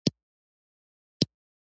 د بولان پټي د افغانستان طبعي ثروت دی.